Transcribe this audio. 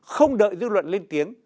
không đợi dư luận lên tiếng